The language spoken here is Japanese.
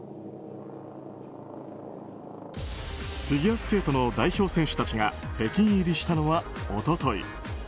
フィギュアスケートの代表選手たちが北京入りしたのは一昨日。